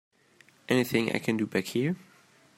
Anything I can do back here?